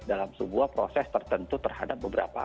dalam sebuah proses tertentu terhadap beberapa